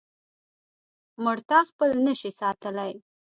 مړتا خپل نشي ساتلی.